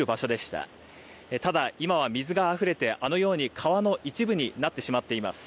ただ、今は水があふれて川の一部になってしまっています。